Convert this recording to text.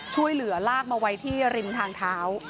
ช่วยเหลือลากมาไว้ที่ริมทางเท้า